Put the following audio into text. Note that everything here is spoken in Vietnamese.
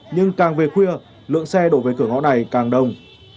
nhưng càng về khuya lượng xe đổ về cửa ngõ này càng đông